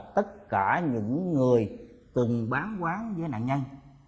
tất cả những người từng bán quán với nạn nhân